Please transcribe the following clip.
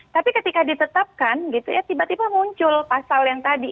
tapi ketika ditetapkan tiba tiba muncul pasal yang tadi